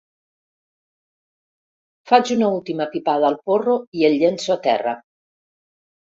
Faig una última pipada al porro i el llenço a terra.